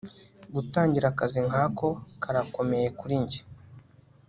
Gutangira akazi nkako karakomeye kuri njye